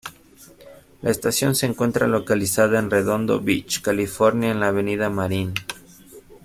La estación se encuentra localizada en Redondo Beach, California en la Avenida Marine.